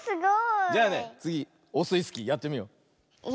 じゃあねつぎオスイスキーやってみよう。